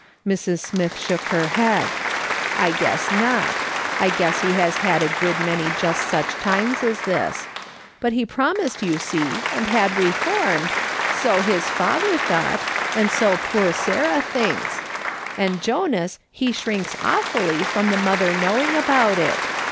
Mrs. Smith shook her head. " I guess not ; I guess he has had a good many just such times as this. ] "YOO'VE HELPED ALONG IN THIS IVORK." 233 But he promised, you see, and liad reformed, so his father thought, and so poor Sarah thinks ; and Jonas, he shrinks awfully from the mother knowing about it.